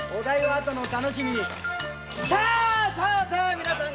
皆さん